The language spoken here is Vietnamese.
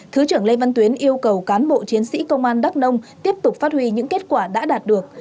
thứ trưởng lê văn tuyến yêu cầu cán bộ chiến sĩ công an đắk nông tiếp tục phát huy những kết quả đã đạt được